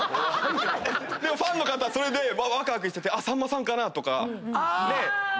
でもファンの方はそれでわくわくしてて「さんまさんかな」